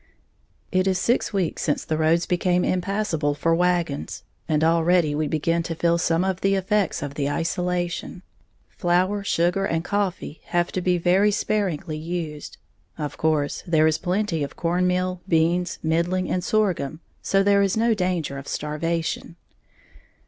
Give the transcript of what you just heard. _ It is six weeks since the roads became impassable for wagons, and already we begin to feel some of the effects of the isolation. Flour, sugar and coffee have to be very sparingly used. Of course there is plenty of corn meal, beans, middling and sorghum, so there is no danger of starvation.